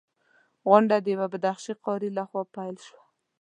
غونډه د یوه بدخشي قاري لخوا پیل شوه.